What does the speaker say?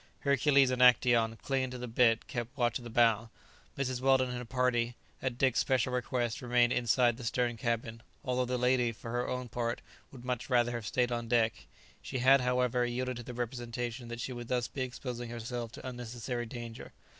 Hercules and Actæon, clinging to the bitt, kept watch at the bow. Mrs. Weldon and her party, at Dick's special request, remained inside the stern cabin, although the lady, for her own part, would much rather have stayed on deck; she had, however, yielded to the representation that she would thus be exposing herself to unnecessary danger.